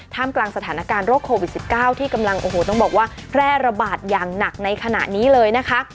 กลางสถานการณ์โรคโควิด๑๙ที่กำลังโอ้โหต้องบอกว่าแพร่ระบาดอย่างหนักในขณะนี้เลยนะคะ